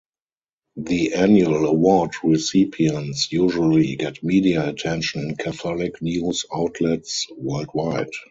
The annual award recipients usually get media attention in Catholic news outlets worldwide.